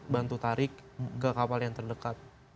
bantu tarik ke kapal yang terdekat